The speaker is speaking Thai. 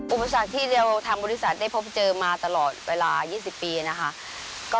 อุปสรรคที่เราเป็นบริษัทต้องเจอมาตลอดเวลายี่สิบปีนะค่ะ